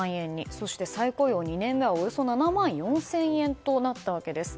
そして再雇用２年目はおよそ７万４０００円となったわけです。